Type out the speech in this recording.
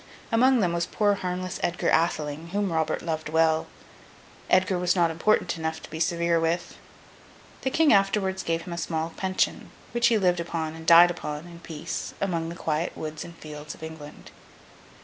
Among them was poor harmless Edgar Atheling, who loved Robert well. Edgar was not important enough to be severe with. The King afterwards gave him a small pension, which he lived upon and died upon, in peace, among the quiet woods and fields of England.